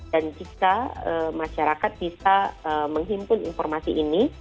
dan jika masyarakat bisa menghimpun informasi ini